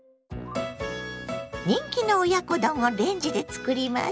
人気の親子丼をレンジで作ります。